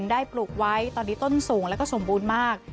ปลูกไว้ตอนนี้ต้นสูงแล้วก็สมบูรณ์มาก